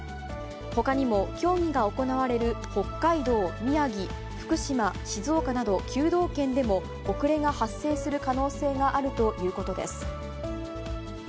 ほかにも競技が行われる北海道、宮城、福島、静岡など、９道県でも遅れが発生する可能性があるということです。